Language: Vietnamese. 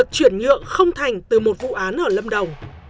công thành từ một vụ án ở lâm đồng